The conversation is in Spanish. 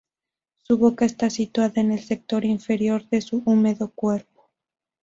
Su boca está situada en el sector inferior de su húmedo cuerpo.